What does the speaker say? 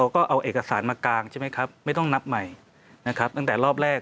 ก็เอาเอกสารมากางใช่ไหมครับไม่ต้องนับใหม่นะครับตั้งแต่รอบแรก